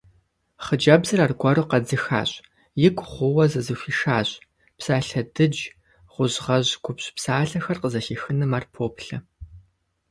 Хъыджэбзыр аргуэру къэдзыхащ, игу гъууэ зызэхуишащ: псалъэ дыдж, гужьгъэжь губжь псалъэхэр къызэхихыным ар поплъэ.